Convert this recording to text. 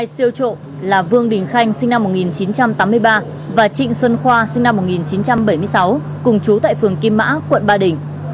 hai siêu trộm là vương đình khanh sinh năm một nghìn chín trăm tám mươi ba và trịnh xuân khoa sinh năm một nghìn chín trăm bảy mươi sáu cùng chú tại phường kim mã quận ba đình